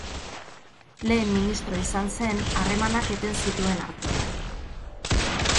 Lehen Ministro izan zen harremanak eten zituen arte.